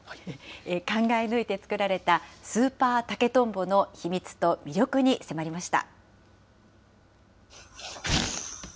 考え抜いて作られた、スーパー竹とんぼの秘密と魅力に迫りました。